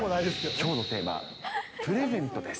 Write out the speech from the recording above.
きょうのテーマ、プレゼントです。